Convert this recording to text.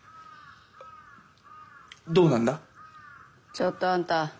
ちょっとあんた。